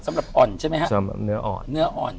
สำหรับเนื้ออ่อน